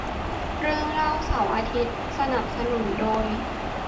เรื่องเล่าเสาร์อาทิตย์ สนับสนุนโดย